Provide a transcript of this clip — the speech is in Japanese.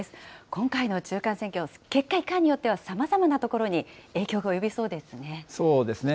今回の中間選挙、結果いかんによってはさまざまなところに影響が及びそうですね。